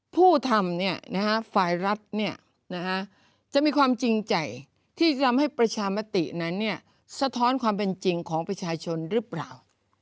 ผู้ทำฝ่ายรัฐจะมีความจริงใจที่จะทำให้ประชามตินั้นสะท้อนความเป็นจริงของประชาชนหรือเปล่า